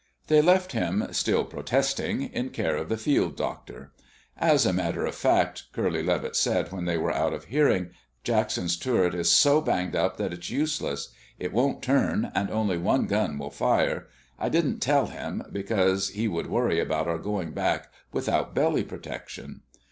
They left him, still protesting, in care of the field doctor. "As a matter of fact," Curly Levitt said when they were out of hearing, "Jackson's turret is so banged up that it's useless. It won't turn, and only one gun will fire. I didn't tell him, because he would worry about our going back without belly protection."